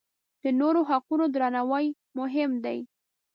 د نورو حقونه درناوی یې مهم دی.